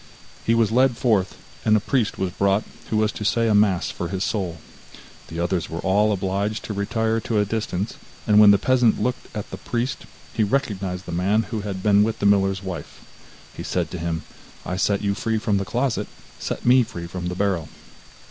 He was led forth, and a priest was brought who was to say a mass for his soul. The others were all obliged to retire to a distance, and when the peasant looked at the priest, he recognized the man who had been with the miller's wife. He said to him: 'I set you free from the closet, set me free from the barrel.